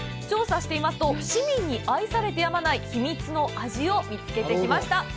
調査していますと、市民に愛されてやまない秘密の味を見つけてきました。